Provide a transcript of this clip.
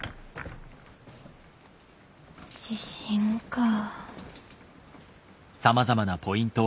自信かぁ。